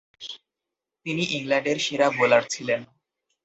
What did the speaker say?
তিনি ইংল্যান্ডের সেরা বোলার ছিলেন।